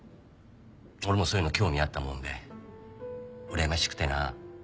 俺もそういうの興味あったもんでうらやましくてなあ。